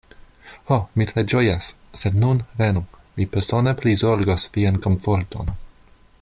Ho, mi tre ĝojas; sed nun venu, mi persone prizorgos vian komforton.